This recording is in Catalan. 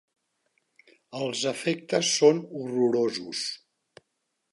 Els efectes són horrorosos.